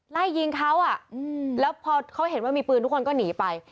ไล่ยิงเขาอ่ะแล้วพอเขาเห็นว่ามีปืนทุกคนก็หนีไป